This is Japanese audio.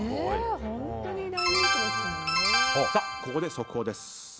ここで速報です。